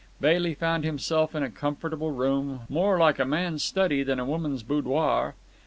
Bailey found himself in a comfortable room, more like a man's study than a woman's boudoir.